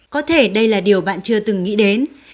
có thể đây là điều bạn chưa từng nghĩ đến